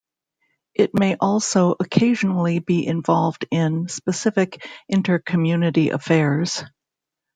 It may also occasionally be involved in specific inter-community affairs.